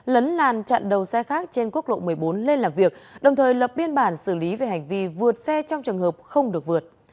lấn làn chặn đầu xe khác trên quốc lộ một mươi bốn lên làm việc đồng thời lập biên bản xử lý về hành vi vượt xe trong trường hợp không được vượt